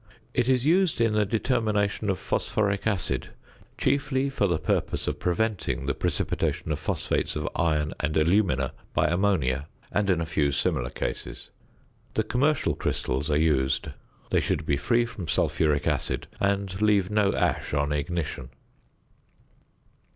It is used in the determination of phosphoric acid, chiefly for the purpose of preventing the precipitation of phosphates of iron and alumina by ammonia, and in a few similar cases. The commercial crystals are used; they should be free from sulphuric acid and leave no ash on ignition.